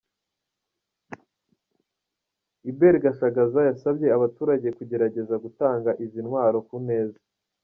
Hubert Gashagaza, yasabye abaturage kugerageza gutanga izi ntwaro ku neza.